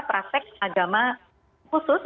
prasek agama khusus